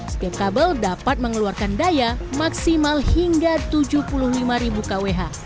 setiap kabel dapat mengeluarkan daya maksimal hingga tujuh puluh lima kwh